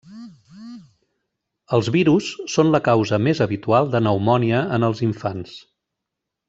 Els virus són la causa més habitual de pneumònia en els infants.